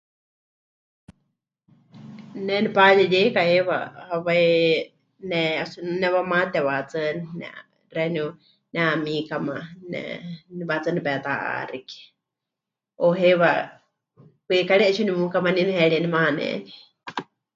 Ne nepayeyeika heiwa hawai, ne... o si no nemɨwamaate wahetsɨa, ne'a... xeeníu nehamikama ne... wahetsɨa nepeta'axike o heiwa kwikari 'etsiwa nemukamaní neheríe nemaneni.